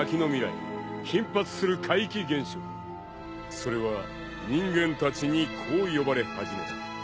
［それは人間たちにこう呼ばれ始めた］